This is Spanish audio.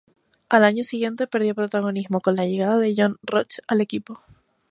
Al año siguiente perdió protagonismo, con la llegada de John Roche al equipo.